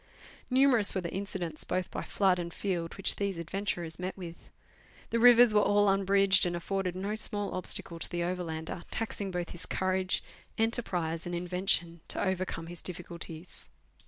Numerous were the incidents, both by flood and field, which these adventurers met with. The rivers were all unbridged, and afforded no small obstacle to the overlander, taxing both his courage, enterprise, and invention to overcome his difficulties.